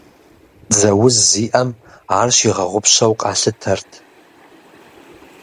Дзэ уз зиӏэм ар щигъэгъупщэу къалъытэрт.